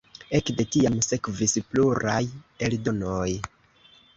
Ekde tiam sekvis pluraj eldonoj.